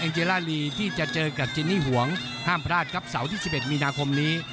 เจล่าลีที่จะเจอกับจินนี่หวงห้ามพลาดครับเสาร์ที่๑๑มีนาคมนี้